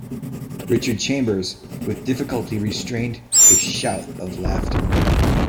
Richard Chambers with difficulty restrained a shout of laughter.